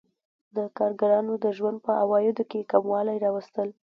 د کارګرانو د ژوند په عوایدو کې کموالی راوستل